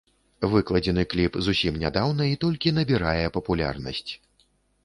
Выкладзены кліп зусім нядаўна і толькі набірае папулярнасць.